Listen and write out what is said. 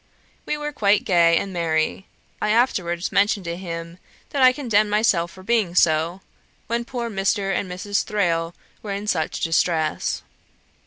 We were quite gay and merry. I afterwards mentioned to him that I condemned myself for being so, when poor Mr. and Mrs. Thrale were in such distress.